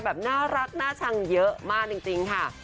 แบบน่ารักน่าชังเยอะมากจริงค่ะ